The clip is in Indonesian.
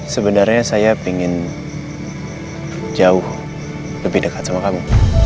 sebenernya saya pingin jauh lebih dekat sama kamu